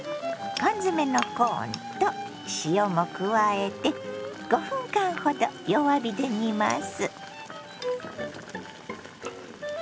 缶詰のコーンと塩も加えて５分間ほど弱火で煮ます。